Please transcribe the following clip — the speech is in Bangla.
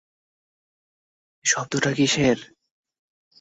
এই শব্দটা কিসের?